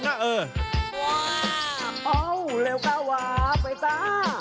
อ้าวเร็วก็อีกไปจ้า